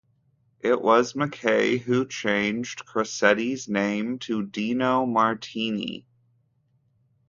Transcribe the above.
It was McKay who changed Crocetti's name to Dino Martini.